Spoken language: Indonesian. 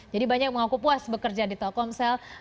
jadi banyak yang mengaku puas bekerja di telkomsel